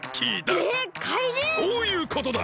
そういうことだ！